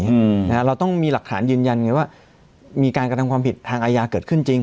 อืมนะฮะเราต้องมีหลักฐานยืนยันไงว่ามีการกระทำความผิดทางอาญาเกิดขึ้นจริง